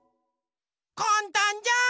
かんたんじゃん。